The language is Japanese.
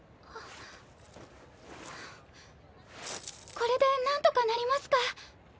これでなんとかなりますか？